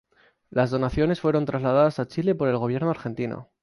Las donaciones fueron trasladadas a Chile por el gobierno argentino.